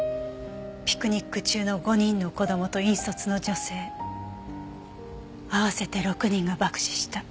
ピクニック中の５人の子供と引率の女性合わせて６人が爆死した。